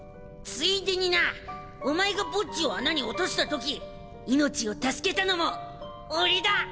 ついでになお前がボッジを穴に落としたとき命を助けたのも俺だ！